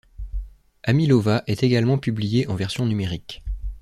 Amilova est également publiée en version numérique.